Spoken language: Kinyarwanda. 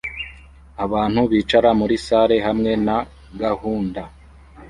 Abantu bicara muri salle hamwe na gahunda